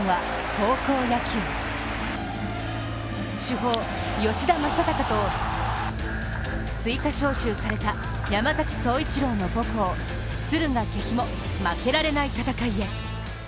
主砲・吉田正尚と追加招集された山崎颯一郎の母校・敦賀気比も負けられない戦いへ。